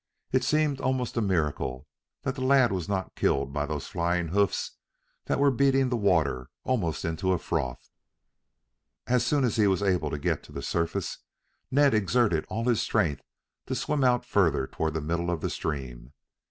It seemed almost a miracle that the lad was not killed by those flying hoofs that were beating the water almost into a froth. As soon as he was able to get to the surface Ned exerted all his strength to swim out further toward the middle of the stream.